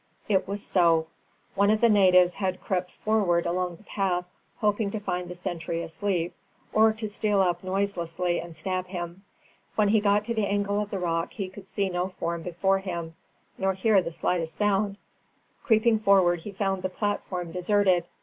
It was so. One of the natives had crept forward along the path, hoping to find the sentry asleep, or to steal up noiselessly and stab him. When he got to the angle of the rock he could see no form before him, nor hear the slightest sound. Creeping forward he found the platform deserted.